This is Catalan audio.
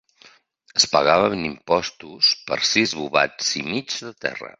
Es pagaven impostos per sis bovats i mig de terra.